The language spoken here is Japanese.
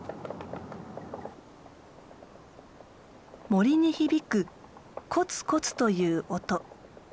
森に響くコツコツという音。